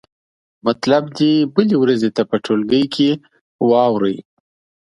مطلب دې بلې ورځې ته په ټولګي کې واورئ.